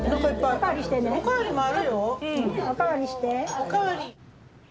お代わり。